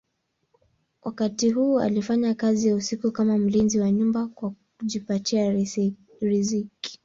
Wakati huu alifanya kazi ya usiku kama mlinzi wa nyumba kwa kujipatia riziki.